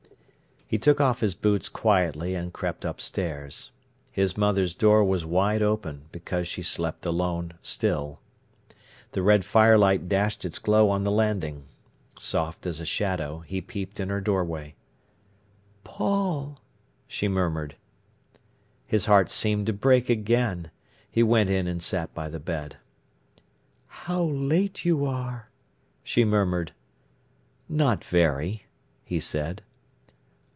He took off his boots quietly and crept upstairs. His mother's door was wide open, because she slept alone still. The red firelight dashed its glow on the landing. Soft as a shadow, he peeped in her doorway. "Paul!" she murmured. His heart seemed to break again. He went in and sat by the bed. "How late you are!" she murmured. "Not very," he said.